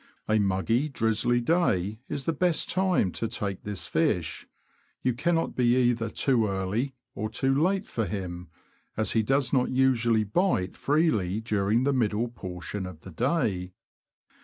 A muggy, drizzly day is the best time to take this fish ; you cannot be either too early or too late for him, as he does not usually bite freely during the middle portion of the day.